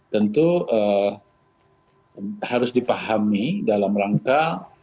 tentu harus dipahami dalam rangka